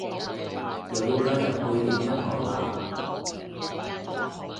又要加入背景音樂喇？